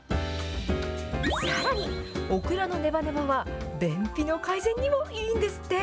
さらに、オクラのねばねばは便秘の改善にもいいんですって。